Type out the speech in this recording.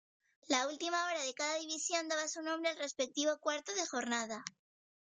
La última hora de cada división daba su nombre al respectivo cuarto de jornada.